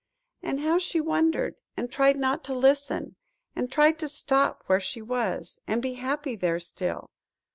" and how she wondered, and tried not to listen, and tried to stop where she was, and be happy there still.